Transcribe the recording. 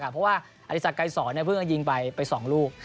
เพราะว่าอาริสักกายส่อยก็ยิงไป๒ลูก